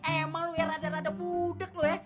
emang lu ya rada rada budak lu ya